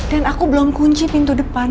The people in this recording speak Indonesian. dan aku belum kunci pintu depan